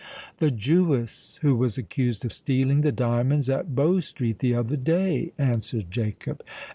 "The Jewess who was accused of stealing the diamonds at Bow Street the other day," answered Jacob.